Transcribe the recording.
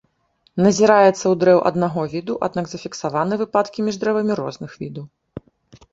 Назіраецца ў дрэў аднаго віду, аднак зафіксаваны выпадкі між дрэвамі розных відаў.